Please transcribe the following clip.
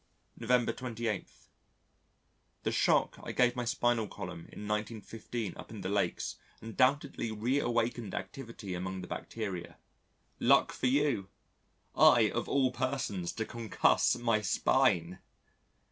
November 28. The shock I gave my spinal column in 1915 up in the Lakes undoubtedly re awakened activity among the bacteria. Luck for you! I, of all persons to concuss my spine!!